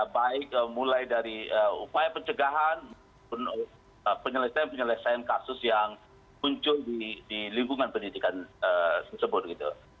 baik mulai dari upaya pencegahan penyelesaian penyelesaian kasus yang muncul di lingkungan pendidikan tersebut gitu